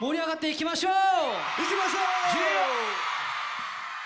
いきましょう！